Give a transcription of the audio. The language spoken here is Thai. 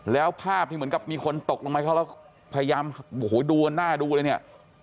แล้วภาพที่เหมือนกับมีคนตกลงไปเขาแล้วพยายามโอ้โหดูกันหน้าดูเลยเนี่ย